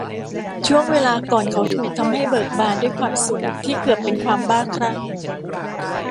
ช่วงเวลาก่อนเขาถูกทำให้เบิกบานด้วยความสุขที่เกือบเป็นความบ้าคลั่ง